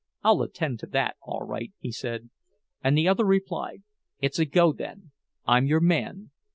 "I'll attend to that all right," he said. And the other replied, "It's a go, then; I'm your man."